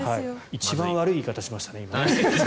一番悪い言い方しましたね。